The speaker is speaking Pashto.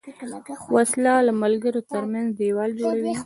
وسله د ملګرو تر منځ دیوال جوړوي